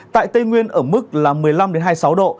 tại tây nguyên ở mức là một mươi năm hai mươi sáu độ